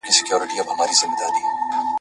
سمندر، سیندونه ډک سول له ماهیانو `